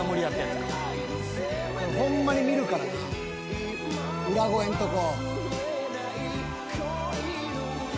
これホンマに見るからな裏声んとこ。